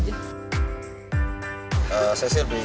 saya sih lebih segar yang putih ya kalau bisa berlelar agak